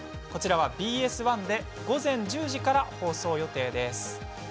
ＢＳ１で午前１０時から放送予定です。